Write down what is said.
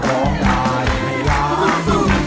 ร้องได้ให้ล้าน